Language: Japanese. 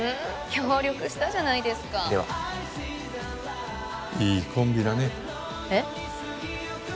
協力したじゃないですかではいいコンビだねえっ？